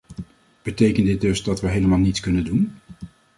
Betekent dit dus dat we helemaal niets kunnen doen?